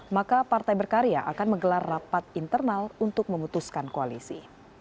maka partai berkarya akan menggelar rapat internal untuk memutuskan koalisi